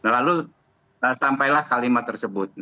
lalu sampailah kalimat tersebut